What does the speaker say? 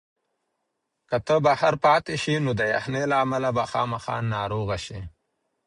که ته بهر پاتې شې نو د یخنۍ له امله به خامخا ناروغه شې.